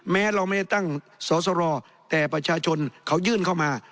แม้เราไม่ได้ตั้งสอสรแต่ประชาชนเขายื่นเข้ามา